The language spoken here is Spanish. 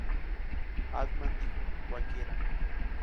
Altman dijo: Cualquiera.